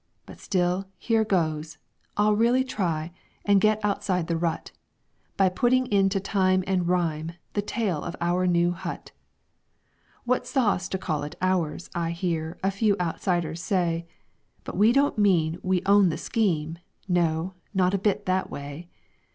But still, here goes; I'll really try And get outside the rut, By putting into time and rhyme The tale of OUR NEW HUT._ _"What sauce to call it 'ours' I hear A few outsiders say. But we don't mean we own the scheme No, not a bit that way.